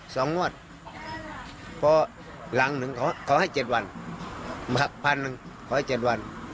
สองงวดเพราะหลังหนึ่งเขาขอให้เจ็ดวันพันหนึ่งขอให้เจ็ดวัน